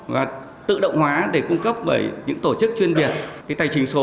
và tự động hóa để cung cấp bởi những tổ chức chuyên biệt